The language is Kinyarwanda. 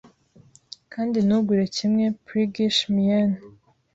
Kandi ntugure, kimwe, priggish mien,